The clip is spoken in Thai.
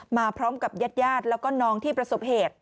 มาพร้อมกับญาติญาติแล้วก็น้องที่ประสบเหตุ